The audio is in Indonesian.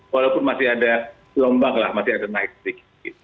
walaupun masih ada gelombang lah masih ada naik sedikit